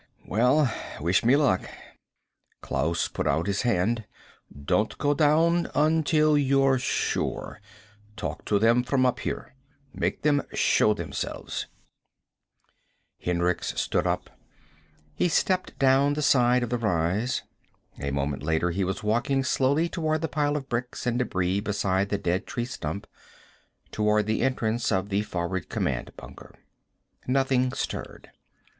"Well, wish me luck." Klaus put out his hand. "Don't go down until you're sure. Talk to them from up here. Make them show themselves." Hendricks stood up. He stepped down the side of the rise. A moment later he was walking slowly toward the pile of bricks and debris beside the dead tree stump. Toward the entrance of the forward command bunker. Nothing stirred.